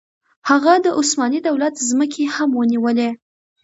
هغه د عثماني دولت ځمکې هم ونیولې.